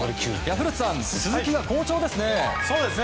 古田さん、鈴木は好調ですね。